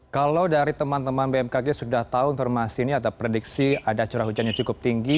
kalau dari teman teman bmkg sudah tahu informasi ini atau prediksi ada curah hujannya cukup tinggi